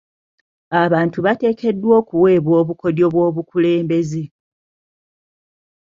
Abantu bateekeddwa okuweebwa obukodyo bw'obukulembeze.